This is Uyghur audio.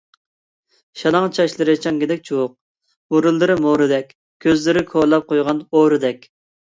شالاڭ چاچلىرى چاڭگىدەك چۇۋۇق، بۇرۇنلىرى مورىدەك، كۆزلىرى كولاپ قويغان ئورىدەك.